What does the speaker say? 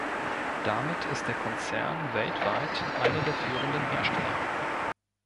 Damit ist der Konzern weltweit einer der führenden Hersteller.